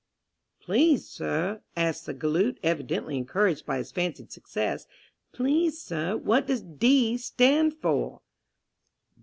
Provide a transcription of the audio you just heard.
"Please, sir," asked the galoot, evidently encouraged by his fancied success, "please, sir, what does 'D' stand for?"